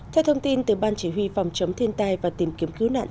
theo thông tin từ ban chỉ huy phòng chống thiên tai và tìm kiếm cứu nạn